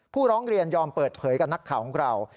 ผู้ร้องเรียนยอมเปิดเผยกับนักข่าวของเรา